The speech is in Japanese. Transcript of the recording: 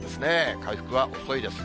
回復は遅いです。